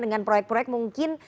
dengan proyek proyek mungkin